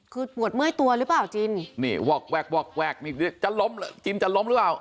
คือปวดเมื่อยตัวหรือเปล่าจินนี่วอกแวกวอกแวกนี่จะล้มจินจะล้มหรือเปล่า